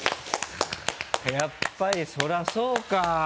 やっぱりそりゃそうか。